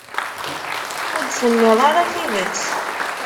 Ur d-tenniḍ ara tidet.